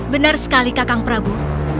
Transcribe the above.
benar sekali kakang prabu